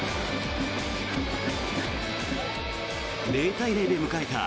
０対０で迎えた